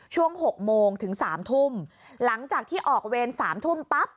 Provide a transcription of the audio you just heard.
ช่วง๖โมงถึง๓ทุ่มหลังจากที่ออกเวร๓ทุ่มปั๊บ